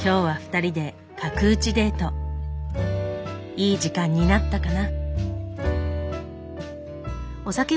いい時間になったかな？